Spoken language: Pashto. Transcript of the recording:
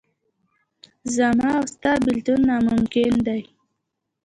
زما او ستا بېلتون ناممکن دی.